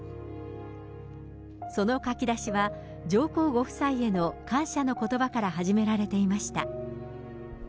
その書き出しは、上皇ご夫妻への感謝のことばから始められていました。